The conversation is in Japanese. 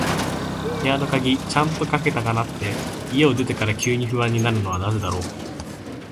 部屋の鍵、ちゃんとかけたかなって、家を出てから急に不安になるのはなぜだろう。